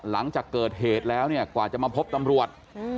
หลังจากเกิดเหตุแล้วเนี่ยกว่าจะมาพบตำรวจ